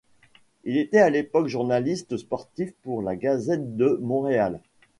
Il était à l'époque journaliste sportif pour la gazette de Montréal.